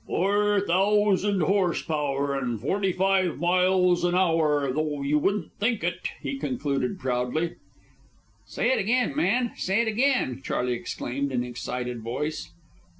"Four thousand horse power and forty five miles an hour, though you wouldn't think it," he concluded proudly. "Say it again, man! Say it again!" Charley exclaimed in an excited voice.